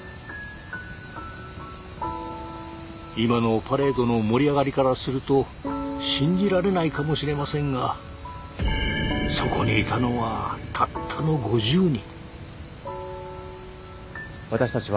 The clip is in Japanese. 今のパレードの盛り上がりからすると信じられないかもしれませんがそこにいたのはたったの５０人。